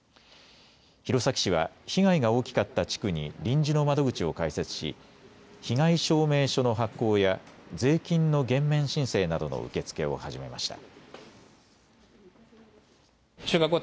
弘前市は被害が大きかった地区に臨時の窓口を開設し被害証明書の発行や税金の減免申請などの受け付けを始めました。